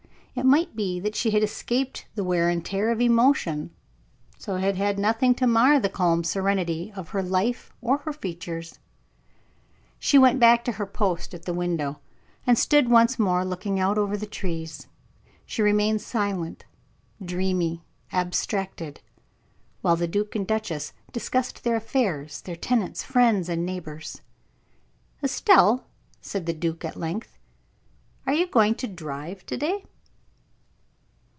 It might be that she had escaped the wear and tear of emotion, so had had nothing to mar the calm serenity of her life or her features. She went back to her post at the window, and stood once more looking out over the trees. She remained silent, dreamy, abstracted, while the duke and duchess discussed their affairs, their tenants, friends, and neighbors. "Estelle," said the duke, at length, "are you going to drive to day?"